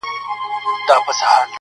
بيا د تورو سترګو و بلا ته مخامخ يمه.